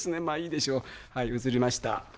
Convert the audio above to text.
はい映りました。